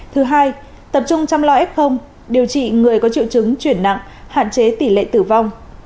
thứ hai tập trung chăm lo f điều trị người có triệu chứng chuyển nặng hạn chế tỷ lệ tử vong